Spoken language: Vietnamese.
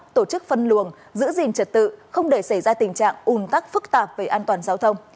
tổ chức phân luồng giữ gìn trật tự không để xảy ra tình trạng ùn tắc phức tạp về an toàn giao thông